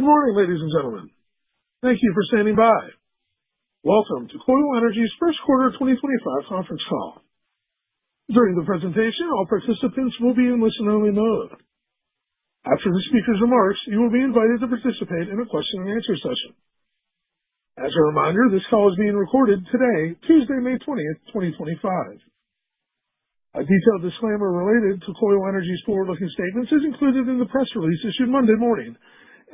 Good morning, ladies and gentlemen. Thank you for standing by. Welcome to Koil Energy Solutions' first quarter 2025 conference call. During the presentation, all participants will be in listen only mode. After the speaker's remarks, you will be invited to participate in a question and answer session. As a reminder, this call is being recorded today, Tuesday, May 20th, 2025. A detailed disclaimer related to Koil Energy Solutions' forward-looking statements is included in the press release issued Monday morning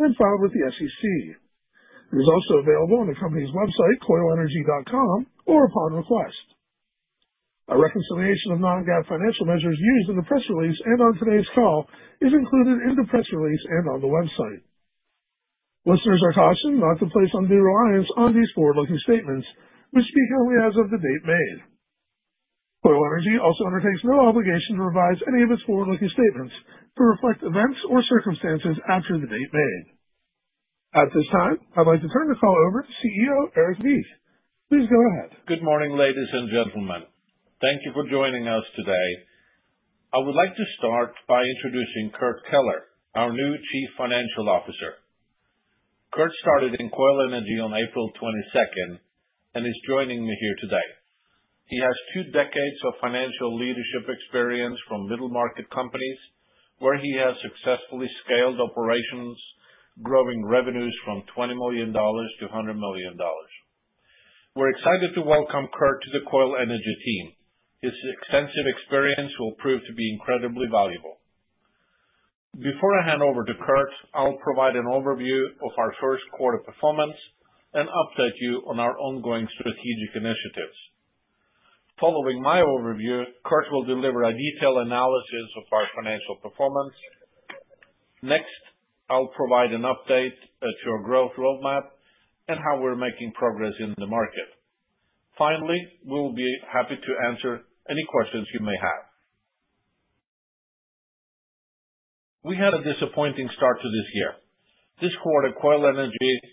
and filed with the SEC. It is also available on the company's website, koilenergy.com, or upon request. A reconciliation of non-GAAP financial measures used in the press release and on today's call is included in the press release and on the website. Listeners are cautioned not to place undue reliance on these forward-looking statements, which speak only as of the date made. Koil Energy also undertakes no obligation to revise any of its forward-looking statements to reflect events or circumstances after the date made. At this time, I'd like to turn the call over to CEO, Erik Wiik. Please go ahead. Good morning, ladies and gentlemen. Thank you for joining us today. I would like to start by introducing Kurt Keller, our new Chief Financial Officer. Kurt started in Koil Energy on April 22nd and is joining me here today. He has two decades of financial leadership experience from middle market companies where he has successfully scaled operations, growing revenues from $20 million-$100 million. We're excited to welcome Kurt to the Koil Energy team. His extensive experience will prove to be incredibly valuable. Before I hand over to Kurt, I'll provide an overview of our first quarter performance and update you on our ongoing strategic initiatives. Following my overview, Kurt will deliver a detailed analysis of our financial performance. Next, I'll provide an update to our growth roadmap and how we're making progress in the market. Finally, we'll be happy to answer any questions you may have. We had a disappointing start to this year. This quarter, Koil Energy Solutions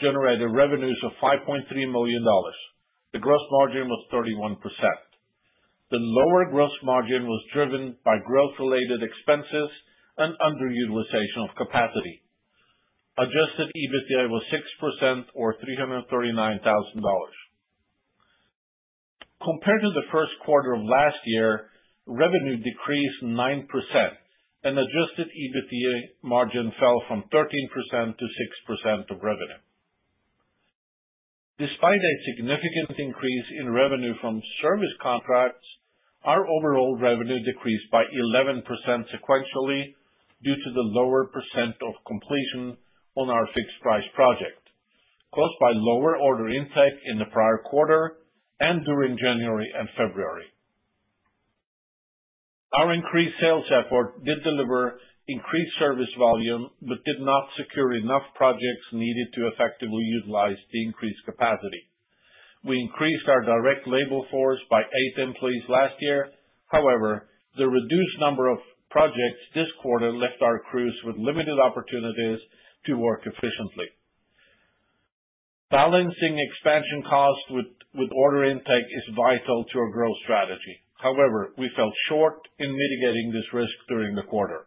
generated revenues of $5.3 million. The gross margin was 31%. The lower gross margin was driven by growth-related expenses and underutilization of capacity. Adjusted EBITDA was 6% or $339,000. Compared to the first quarter of last year, revenue decreased 9% and Adjusted EBITDA margin fell from 13% to 6% of revenue. Despite a significant increase in revenue from service contracts, our overall revenue decreased by 11% sequentially due to the lower percent of completion on our fixed price project, caused by lower order intake in the prior quarter and during January and February. Our increased sales effort did deliver increased service volume but did not secure enough projects needed to effectively utilize the increased capacity. We increased our direct labor force by eight employees last year. However, the reduced number of projects this quarter left our crews with limited opportunities to work efficiently. Balancing expansion costs with order intake is vital to our growth strategy. However, we fell short in mitigating this risk during the quarter.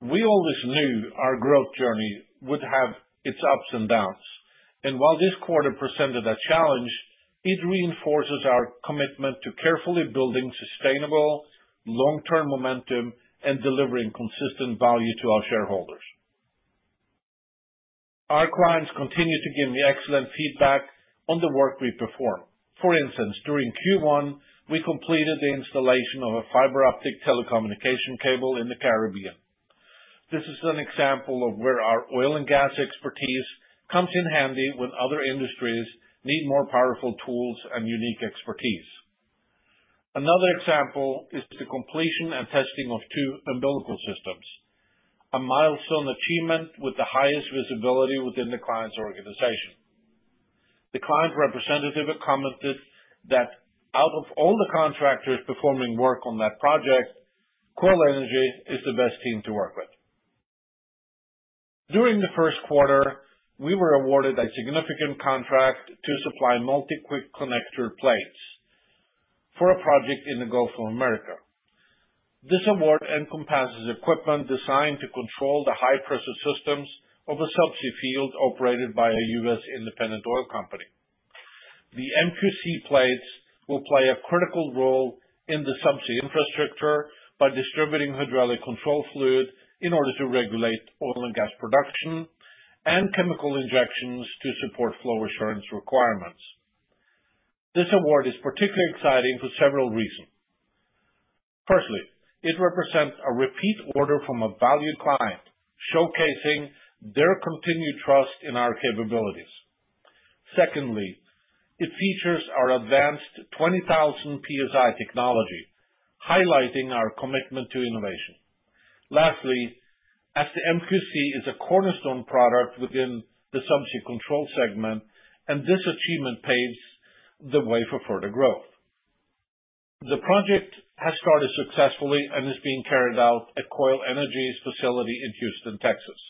We always knew our growth journey would have its ups and downs, and while this quarter presented a challenge, it reinforces our commitment to carefully building sustainable, long-term momentum and delivering consistent value to our shareholders. Our clients continue to give me excellent feedback on the work we perform. For instance, during Q1, we completed the installation of a fiber optic telecommunication cable in the Caribbean. This is an example of where our oil and gas expertise comes in handy when other industries need more powerful tools and unique expertise. Another example is the completion and testing of two umbilical systems, a milestone achievement with the highest visibility within the client's organization. The client representative commented that out of all the contractors performing work on that project, Koil Energy is the best team to work with. During the first quarter, we were awarded a significant contract to supply Multi Quick Connector plates for a project in the Gulf of Mexico. This award encompasses equipment designed to control the high-pressure systems of a subsea field operated by a U.S. independent oil company. The MQC plates will play a critical role in the subsea infrastructure by distributing hydraulic control fluid in order to regulate oil and gas production and chemical injections to support flow assurance requirements. This award is particularly exciting for several reasons. Firstly, it represents a repeat order from a valued client, showcasing their continued trust in our capabilities. Secondly, it features our advanced 20,000 PSI technology, highlighting our commitment to innovation. Lastly, as the MQC is a cornerstone product within the subsea control segment, and this achievement paves the way for further growth. The project has started successfully and is being carried out at Koil Energy Solutions' facility in Houston, Texas.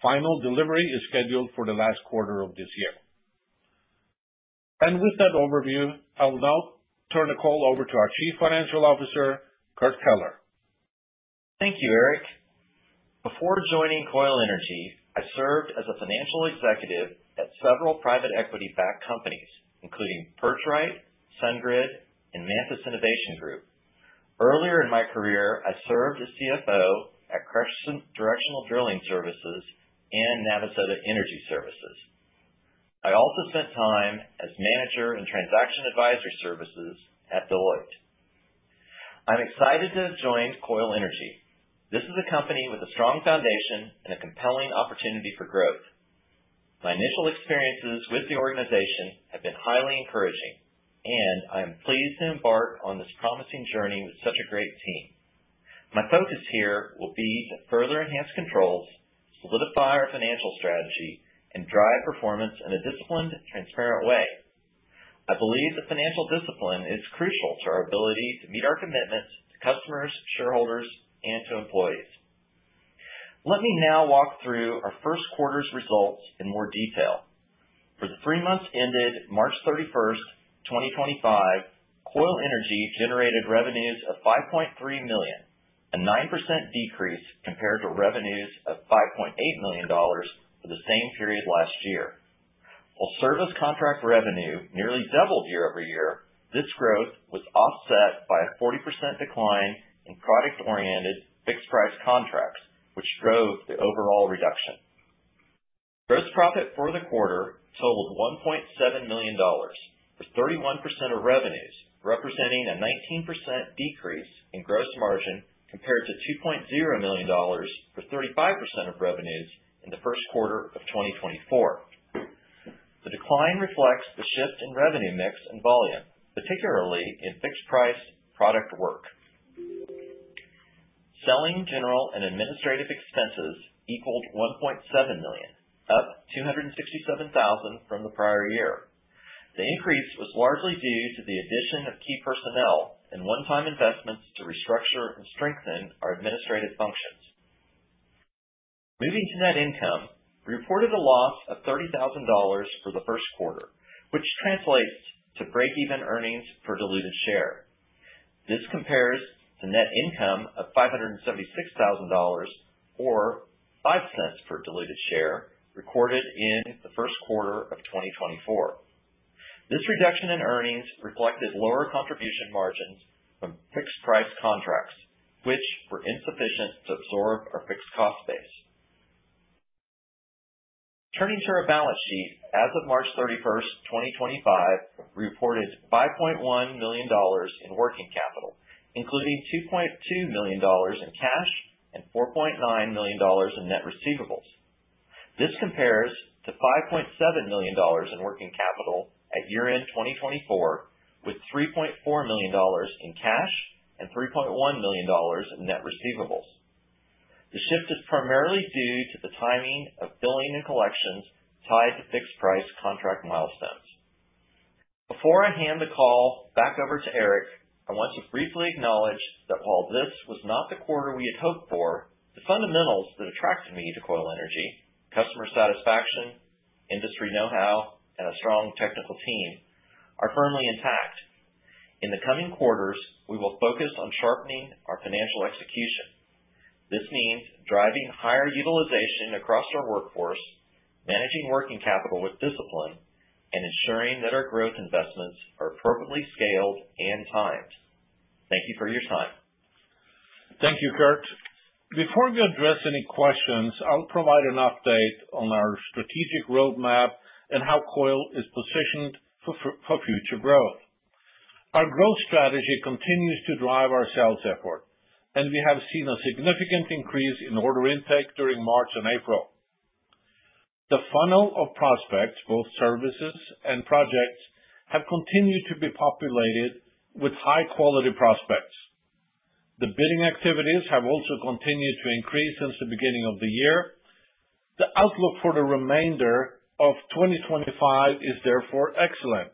Final delivery is scheduled for the last quarter of this year. With that overview, I will now turn the call over to our Chief Financial Officer, Kurt Keller. Thank you, Erik. Before joining Koil Energy Solutions, I served as a financial executive at several private equity-backed companies, including Percheron Capital, SunGrid, and Innovate Memphis. Earlier in my career, I served as CFO at Crescent Directional Drilling Services and Navasota Energy Services. I also spent time as manager in transaction advisory services at Deloitte. I'm excited to have joined Koil Energy Solutions. This is a company with a strong foundation and a compelling opportunity for growth. My initial experiences with the organization have been highly encouraging, and I am pleased to embark on this promising journey with such a great team. My focus here will be to further enhance controls, solidify our financial strategy, and drive performance in a disciplined, transparent way. I believe that financial discipline is crucial to our ability to meet our commitments to customers, shareholders, and to employees. Let me now walk through our first quarter's results in more detail. For the three months ended March 31st, 2025, Koil Energy generated revenues of $5.3 million, a 9% decrease compared to revenues of $5.8 million for the same period last year. While service contract revenue nearly doubled year-over-year, this growth was offset by a 40% decline in product-oriented fixed price contracts, which drove the overall reduction. Gross profit for the quarter totaled $1.7 million, with 31% of revenues representing a 19% decrease in gross margin compared to $2.0 million for 35% of revenues in the first quarter of 2024. The decline reflects the shift in revenue mix and volume, particularly in fixed price product work. Selling, general and administrative expenses equaled $1.7 million, up $267,000 from the prior year. The increase was largely due to the addition of key personnel and one-time investments to restructure and strengthen our administrative functions. Moving to net income, we reported a loss of $30,000 for the first quarter, which translates to break-even earnings per diluted share. This compares to net income of $576,000 or $0.05 per diluted share recorded in the first quarter of 2024. This reduction in earnings reflected lower contribution margins from fixed price contracts, which were insufficient to absorb our fixed cost base. Turning to our balance sheet, as of March 31st, 2025, we reported $5.1 million in working capital, including $2.2 million in cash and $4.9 million in net receivables. This compares to $5.7 million in working capital at year-end 2024, with $3.4 million in cash and $3.1 million in net receivables. The shift is primarily due to the timing of billing and collections tied to fixed price contract milestones. Before I hand the call back over to Erik, I want to briefly acknowledge that while this was not the quarter we had hoped for, the fundamentals that attracted me to Koil Energy, customer satisfaction, industry know-how, and a strong technical team are firmly intact. In the coming quarters, we will focus on sharpening our financial execution. This means driving higher utilization across our workforce, managing working capital with discipline, and ensuring that our growth investments are appropriately scaled and timed. Thank you for your time. Thank you, Kurt. Before we address any questions, I'll provide an update on our strategic roadmap and how Koil is positioned for future growth. Our growth strategy continues to drive our sales effort, and we have seen a significant increase in order intake during March and April. The funnel of prospects, both services and projects, have continued to be populated with high-quality prospects. The bidding activities have also continued to increase since the beginning of the year. The outlook for the remainder of 2025 is therefore excellent.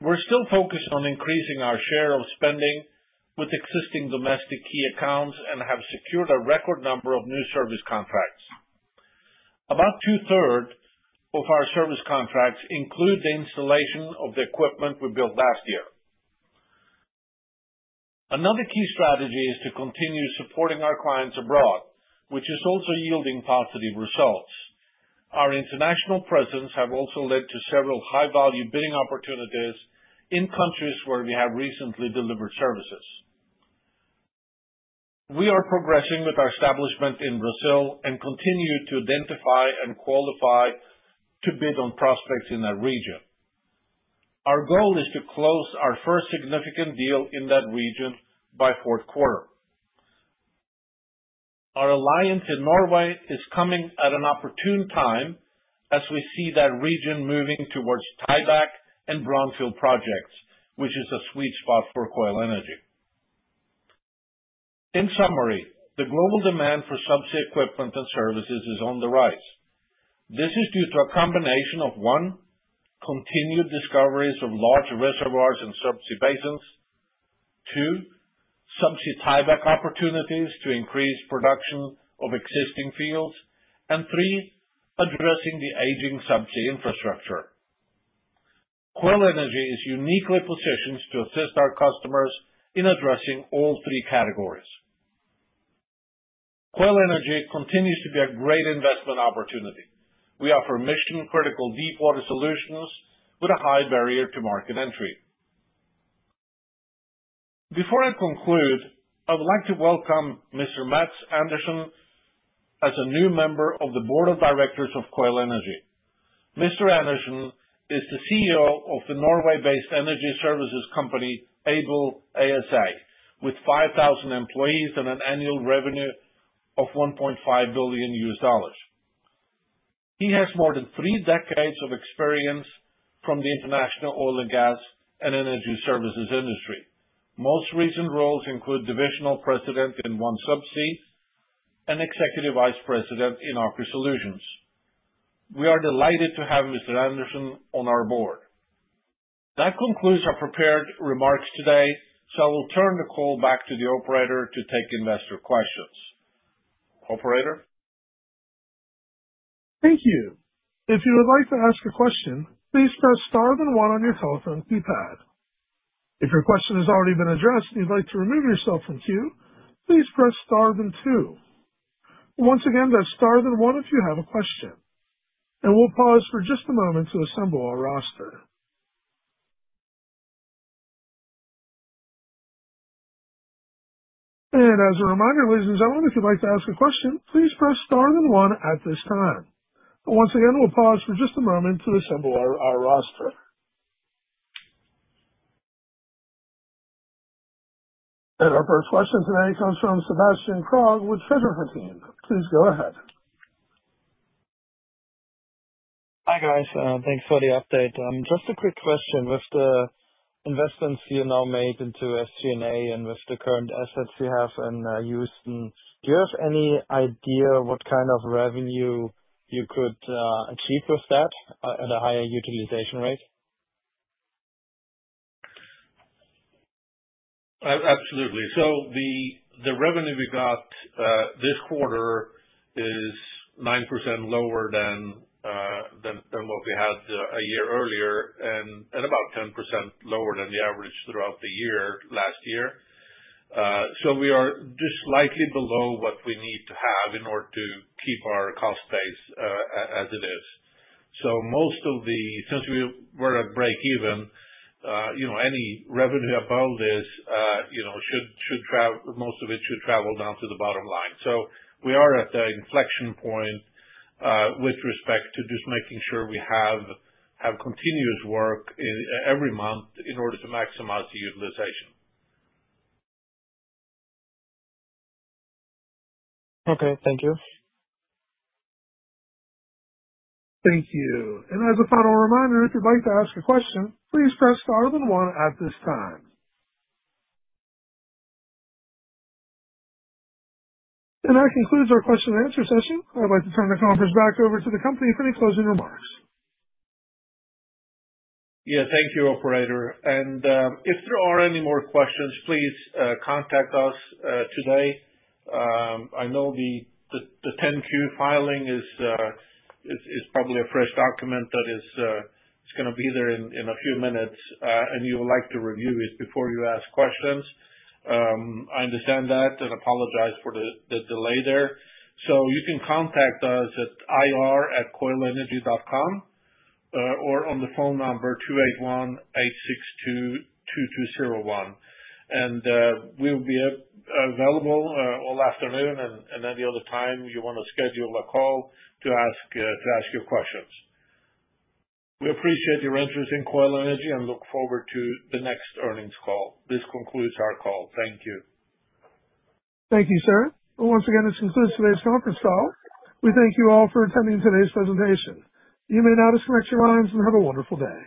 We're still focused on increasing our share of spending with existing domestic key accounts and have secured a record number of new service contracts. About two-thirds of our service contracts include the installation of the equipment we built last year. Another key strategy is to continue supporting our clients abroad, which is also yielding positive results. Our international presence have also led to several high-value bidding opportunities in countries where we have recently delivered services. We are progressing with our establishment in Brazil and continue to identify and qualify to bid on prospects in that region. Our goal is to close our first significant deal in that region by fourth quarter. Our alliance in Norway is coming at an opportune time as we see that region moving towards tieback and brownfield projects, which is a sweet spot for Koil Energy. In summary, the global demand for subsea equipment and services is on the rise. This is due to a combination of 1, continued discoveries of large reservoirs and subsea basins. 2, subsea tieback opportunities to increase production of existing fields. 3, addressing the aging subsea infrastructure. Koil Energy is uniquely positioned to assist our customers in addressing all three categories. Koil Energy Solutions continues to be a great investment opportunity. We offer mission-critical deepwater solutions with a high barrier to market entry. Before I conclude, I would like to welcome Mr. Mads Andersen as a new member of the board of directors of Koil Energy Solutions. Mr. Andersen is the CEO of the Norway-based energy services company, Aibel ASA, with 5,000 employees and an annual revenue of $1.5 billion. He has more than three decades of experience from the international oil and gas and energy services industry. Most recent roles include divisional president in OneSubsea and executive vice president in Aker Solutions. We are delighted to have Mr. Andersen on our board. That concludes our prepared remarks today, so I will turn the call back to the operator to take investor questions. Operator? Thank you. If you would like to ask a question, please press star then one on your telephone keypad. If your question has already been addressed and you'd like to remove yourself from queue, please press star then two. Once again, press star then one if you have a question. We'll pause for just a moment to assemble our roster. As a reminder, ladies and gentlemen, if you'd like to ask a question, please press star then one at this time. Once again, we'll pause for just a moment to assemble our roster. Our first question today comes from Sebastian Krog with Schroders. Please go ahead. Hi, guys. Thanks for the update. Just a quick question. With the investments you now made into SG&A and with the current assets you have in Houston, do you have any idea what kind of revenue you could achieve with that at a higher utilization rate? Absolutely. The revenue we got this quarter is 9% lower than what we had a year earlier and about 10% lower than the average throughout the year last year. We are just slightly below what we need to have in order to keep our cost base as it is. Since we were at breakeven, any revenue above this, most of it should travel down to the bottom line. We are at the inflection point with respect to just making sure we have continuous work every month in order to maximize the utilization. Okay. Thank you. Thank you. As a final reminder, if you'd like to ask a question, please press star then one at this time. That concludes our question and answer session. I'd like to turn this conference back over to the company for any closing remarks. Yeah. Thank you, operator. If there are any more questions, please contact us today. I know the 10-Q filing is probably a fresh document that is going to be there in a few minutes, and you would like to review it before you ask questions. I understand that and apologize for the delay there. You can contact us at ir@koilenergy.com or on the phone number 281-862-2201. We'll be available all afternoon and any other time you want to schedule a call to ask your questions. We appreciate your interest in Koil Energy and look forward to the next earnings call. This concludes our call. Thank you. Thank you, sir. Once again, this concludes today's conference call. We thank you all for attending today's presentation. You may now disconnect your lines and have a wonderful day.